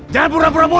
jangan pura pura bodoh